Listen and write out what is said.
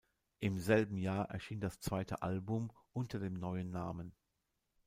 Im selben Jahr erschien das zweite Album unter dem neuen Namen.